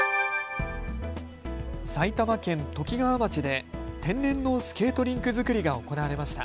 埼玉県ときがわ町で天然のスケートリンク造りが行われました。